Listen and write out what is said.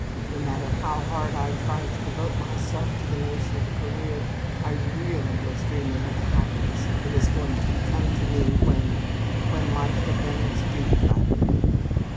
No matter how hard I tried to devote myself to the notion of a career, I really was dreaming of the happiness that was going to come to me when when Life had done its duty by me."